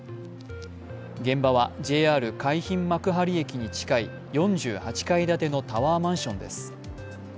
現場は、ＪＲ海浜幕張駅に近い４８階建てのタワーマンションです。